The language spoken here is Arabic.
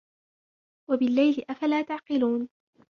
وَبِاللَّيْلِ أَفَلَا تَعْقِلُونَ